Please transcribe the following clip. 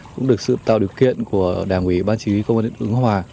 cũng được sự tạo điều kiện của đảng ủy ban chí huy công an huyện ứng hòa